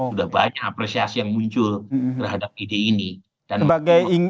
sudah banyak apresiasi yang muncul terhadap ide ini